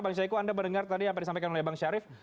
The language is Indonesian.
bang syahiku anda mendengar tadi apa disampaikan oleh bang syarif